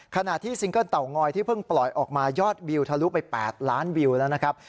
ขณะที่ซิงเกิ้ลเต่างอยที่เพิ่งปล่อยออกมายอดวิวทะลุไป๘ล้านวิวแล้วนะครับ